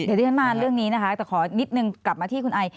เดี๋ยวที่ฉันมาเรื่องนี้นะคะแต่ขอนิดนึงกลับมาที่คุณไอ